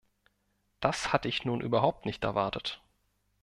Das hatte ich nun überhaupt nicht erwartet.